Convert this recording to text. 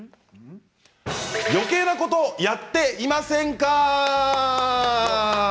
よけいなことやっていませんか？